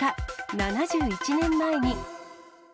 ７１年前に。